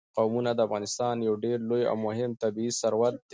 قومونه د افغانستان یو ډېر لوی او مهم طبعي ثروت دی.